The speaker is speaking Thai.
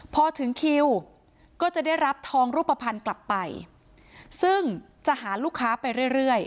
พอถึงคิวก็จะได้รับทองรูปภัณฑ์กลับไปซึ่งจะหาลูกค้าไปเรื่อยเรื่อย